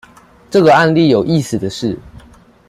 這個案例有意思的是